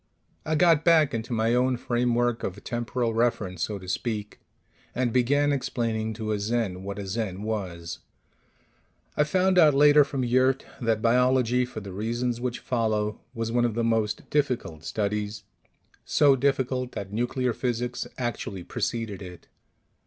I got back into my own framework of temporal reference, so to speak, and began explaining to a Zen what a Zen was. (I found out later from Yurt that biology, for the reasons which follow, was one of the most difficult studies; so difficult that nuclear physics actually preceded it!)